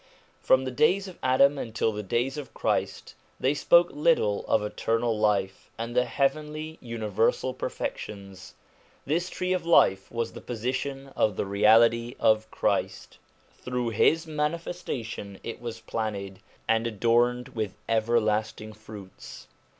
From the days of Adam until the days of Christ, they spoke little of eternal life and the heavenly universal perfections. This tree of life was the position of the Reality of Christ ; through his manifestation it was planted, and adorned with everlasting fruits.